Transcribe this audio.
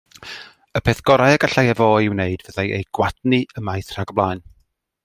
Y peth gorau y gallai efô ei wneud fyddai ei gwadnu ymaith rhag blaen.